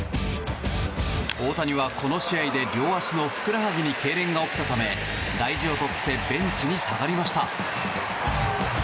大谷は、この試合で両足のふくらはぎにけいれんが起きたため大事をとってベンチに下がりました。